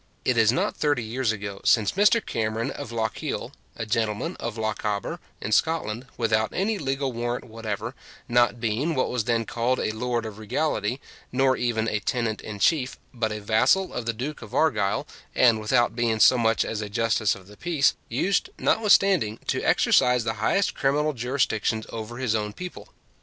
It is not thirty years ago since Mr Cameron of Lochiel, a gentleman of Lochaber in Scotland, without any legal warrant whatever, not being what was then called a lord of regality, nor even a tenant in chief, but a vassal of the Duke of Argyll, and with out being so much as a justice of peace, used, notwithstanding, to exercise the highest criminal jurisdictions over his own people.